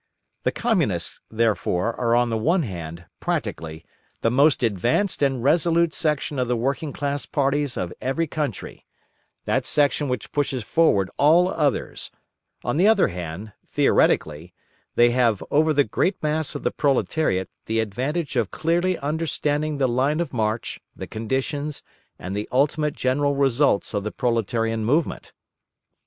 The Communists, therefore, are on the one hand, practically, the most advanced and resolute section of the working class parties of every country, that section which pushes forward all others; on the other hand, theoretically, they have over the great mass of the proletariat the advantage of clearly understanding the line of march, the conditions, and the ultimate general results of the proletarian movement.